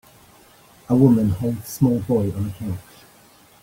A woman holds small boy on a couch.